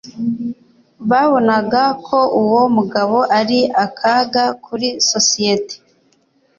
Babonaga ko uwo mugabo ari akaga kuri sosiyete.